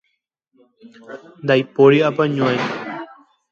Ndaipóri apañuái.